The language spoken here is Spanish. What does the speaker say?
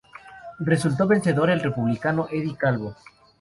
Resultó vencedor el republicano Eddie Calvo.